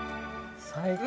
最高！